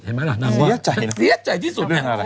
เสียใจหรอเสียใจที่สุดเนี่ย